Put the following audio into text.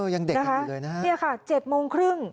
ยังเด็กกันอยู่เลยนะฮะเนี่ยค่ะ๗โมงครึ่ง